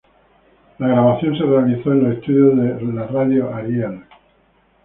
La grabación se realizó en los estudios de la radio Ariel.